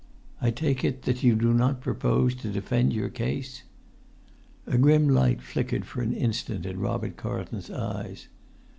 I take it that you do not propose to defend your case?" A grim light flickered for an instant in Robert Carlton's eyes.